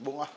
bu gak mau